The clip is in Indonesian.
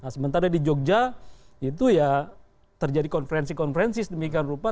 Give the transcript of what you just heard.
sementara di jogja itu ya terjadi konferensi konferensi sedemikian rupa